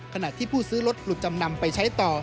ขณะที่ผู้ซื้อรถหลุดจำนำไปใช้ต่อ